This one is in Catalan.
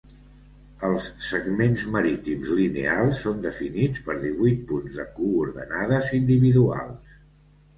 Els segments marítims lineals són definits per divuit punts de coordenades individuals.